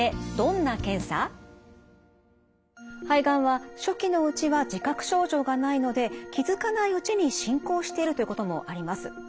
肺がんは初期のうちは自覚症状がないので気付かないうちに進行しているということもあります。